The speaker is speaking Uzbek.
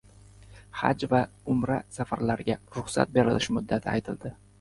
"Haj" va "Umra" safarlariga ruxsat berilish muddati aytildi